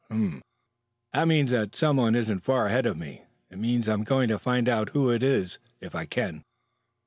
"That means that someone isn't far ahead of me. It means I am going to find out who it is if I can."